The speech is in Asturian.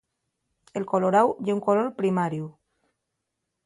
El coloráu ye un color primariu.